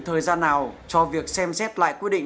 thời gian nào cho việc xem xét lại quy định